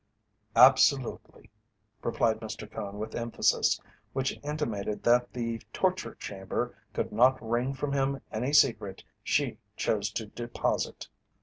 "Absolutely," replied Mr. Cone with emphasis, which intimated that the torture chamber could not wring from him any secret she chose to deposit.